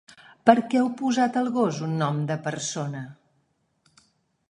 Per què heu posat al gos un nom de persona?